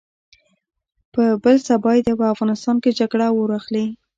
په بل سبا يې په افغانستان کې جګړه اور اخلي.